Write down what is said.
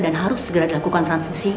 dan harus segera dilakukan transfusi